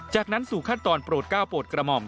จากนั้นสู่ขั้นตอนโปรดก้าวโปรดกระหม่อม